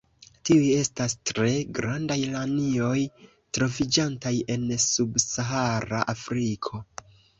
Tiuj estas tre grandaj lanioj troviĝantaj en subsahara Afriko.